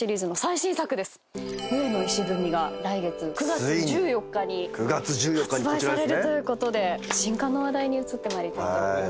『の碑』が来月９月１４日に発売されるということで新刊の話題に移ってまいりたいと思います。